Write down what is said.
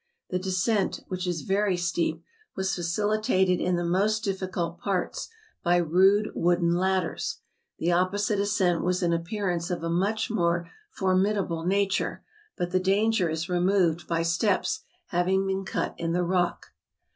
The descent, which is very steep, was facilitated in the most difficult parts, by rude wooden ladders. The opposite ascent was in appearance of a much more formidable nature, but the danger is removed by steps having been cut in the rock.